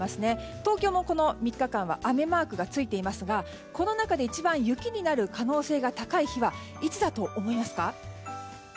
東京も、この３日間は雨マークがついていますがこの中で一番雪になる可能性が高い日はいつだと思いますか？